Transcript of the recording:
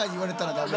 ダメ？